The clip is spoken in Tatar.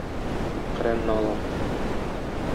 Коръәнне алам.